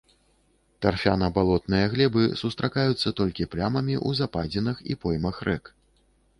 Тарфяна-балотныя глебы сустракаюцца толькі плямамі ў западзінах і поймах рэк.